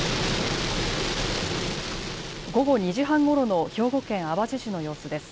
午後２時半ごろの兵庫県淡路市の様子です。